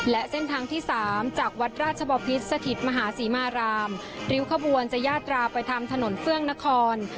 และเส้นทางที่๓จากวัดราชบพิษสถิตมหาศรีมารามริ้วขบวนจะยาตราไปทำถนนเฟื่องนคร